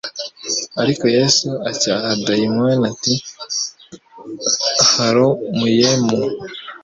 Ariko Yesu acyaha daimoni ati :« Hora, muyemo. »